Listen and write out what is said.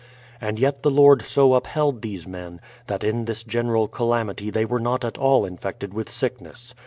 And yet the Lord so upheld these men, that in this general calamity they were not at all infected with sickness.